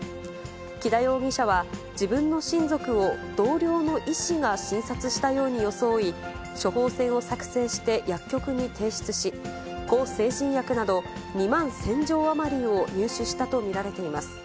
木田容疑者は、自分の親族を同僚の医師が診察したように装い、処方箋を作成して薬局に提出し、向精神薬など２万１０００錠余りを入手したと見られています。